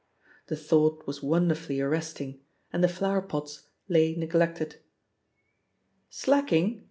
The thought was wonderfully arresting, and the flower pots lay neglected. ''Slacking?"